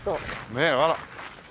ねえあら。